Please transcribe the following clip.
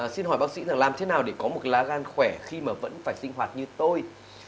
xin hỏi bác sĩ rằng làm thế nào để có một cái lá gan khỏe khi mà vẫn phải sinh hoạt như tôi